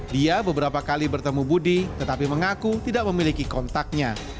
dia beberapa kali bertemu budi tetapi mengaku tidak memiliki kontaknya